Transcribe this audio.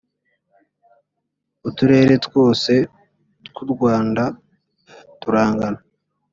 uturere twose tw u rwanda turangana